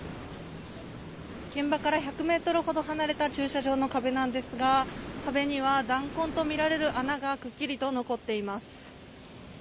現場から１００メートルほど離れた駐車場の壁なんですが壁には弾痕とみられる穴がくっきりと残っています